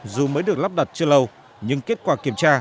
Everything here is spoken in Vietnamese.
dù mới được lắp đặt chưa lâu nhưng kết quả kiểm tra